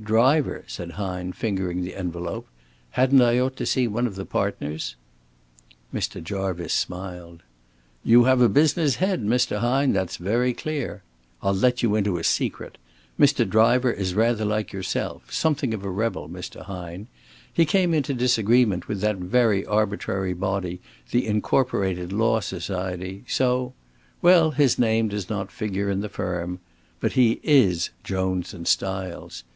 "Driver?" said Hine, fingering the envelope. "Hadn't I ought to see one of the partners?" Mr. Jarvice smiled. "You have a business head, Mr. Hine, that's very clear. I'll let you into a secret. Mr. Driver is rather like yourself something of a rebel, Mr. Hine. He came into disagreement with that very arbitrary body the Incorporated Law Society, so, well his name does not figure in the firm. But he is Jones and Stiles.